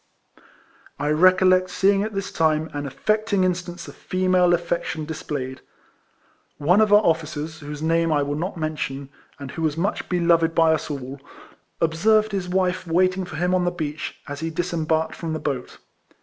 I recollect seeing at this time an affecting instance of female affection displayed. One of our officers, whose name I will not men tion, and who was much beloved by us all^ observed his wife waiting for him on the beach, as he disembarked from the boat.